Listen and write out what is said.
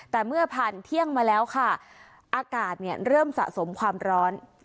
แต่เมื่อผ่านเที่ยงมาแล้วค่ะอากาศเริ่มสะสมความร้อน